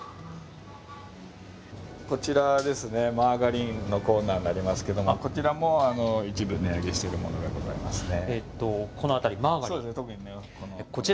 こちらですね、マーガリンのコーナーがありますけれども、こちらも一部値上げしているものがございますね。